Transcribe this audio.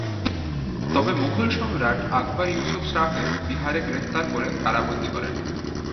তবে মুঘল সম্রাট আকবর ইউসুফ শাহকে বিহারে গ্রেপ্তার করে কারাবন্দী করেন।